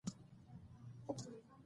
د جګړې ډګر څه ډول ښکلی سوی وو؟